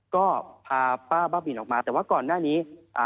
ก็พาป้าบ้าบินออกมาแต่ว่าก่อนหน้านี้อ่า